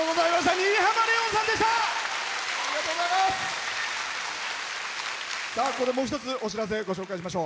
新浜レオンさんでした。